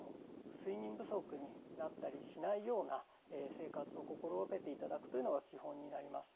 睡眠不足になったりしないような生活を心掛けていただくというのが基本になります。